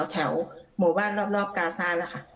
แถวหมู่บ้านรอบกาซ่านะคะ